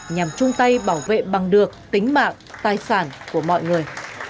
nhằm chung tay bảo vệ bằng được tính mạng tài sản của mọi người